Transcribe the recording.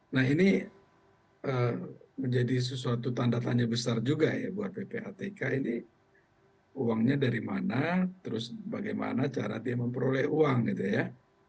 nah ini menjadi sesuatu tanda tanya besar juga ya buat ppatk ini uangnya dari mana terus bagaimana cara dia memperoleh uang gitu ya